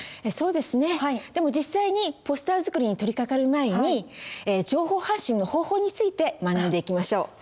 そうですねでも実際にポスター作りに取りかかる前に情報発信の方法について学んでいきましょう。